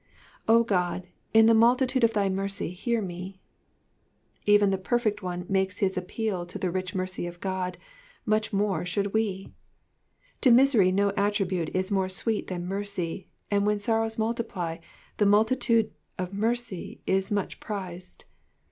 0 Qod^ in the multitude of thy mercy hear me/'' Even the Digitized by VjOOQIC 264 EXPOSITIONS OF THE PSALMS. perfect one makes his appeal to the rich mercy of God, much more should we. To miser J no attribute is more sweet than mercy, and when sorrows multiply, the multitude of mercy is much prized.